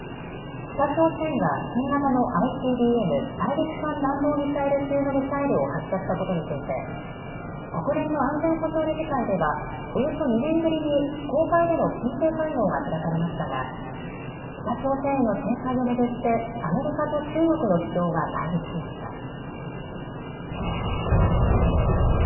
北朝鮮が新型のＩＣＢＭ・大陸間弾道ミサイル級のミサイルを発射したことについて国連の安全保障理事会ではおよそ２年ぶりに公開での緊急会合が開かれましたが北朝鮮への制裁を巡ってアメリカと中国の主張が対立しました。